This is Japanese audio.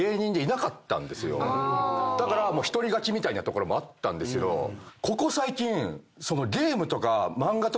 だから独り勝ちみたいなところもあったんですけどここ最近。